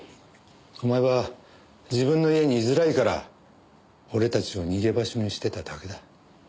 お前は自分の家に居づらいから俺たちを逃げ場所にしてただけだ。